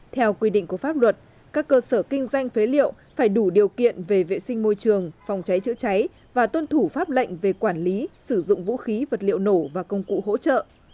theo quy định của pháp luật các cơ sở kinh doanh phế liệu phải đủ điều kiện về vệ sinh môi trường phòng cháy chữa cháy và tuân thủ pháp lệnh về quản lý sử dụng vũ khí vật liệu nổ và công cụ hỗ trợ